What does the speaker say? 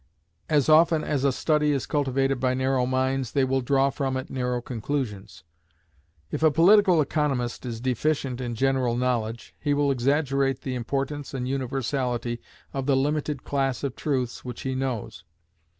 As often as a study is cultivated by narrow minds, they will draw from it narrow conclusions. If a political economist is deficient in general knowledge, he will exaggerate the importance and universality of the limited class of truths which he knows.